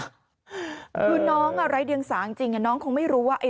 คือน้องไร้เดียงสาจริงน้องคงไม่รู้ว่า